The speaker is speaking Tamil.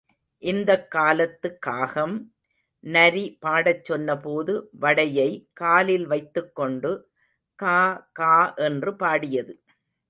இந்தக் காலத்து காகம்— நரி பாடச் சொன்னபோது, வடையை காலில் வைத்துக்கொண்டு காகா—என்று பாடியது.